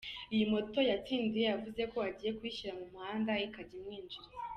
Iyi moto yatsindiye yavuze ko agiye kuyishyira mu muhanda ikajya imwinjiriza.